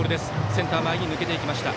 センター前に抜けていきました。